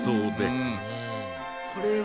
これは。